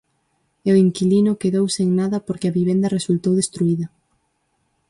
E o inquilino quedou sen nada porque a vivenda resultou destruída.